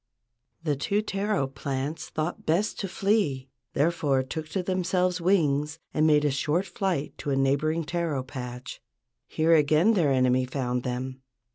The two taro plants thought best to flee, therefore took to themselves wings and made a short flight to a neighboring taro patch. Here again their enemy found them.